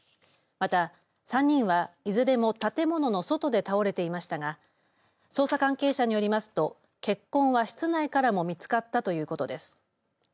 また、３人はいずれも建物の外で倒れていましたが捜査関係者によりますと血痕は室内からも見つかったということです。